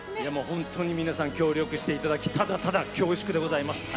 本当に皆さん協力していただきただただ恐縮でございます。